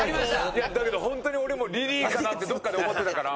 いやだけどホントに俺もリリーかなってどこかで思ってたから。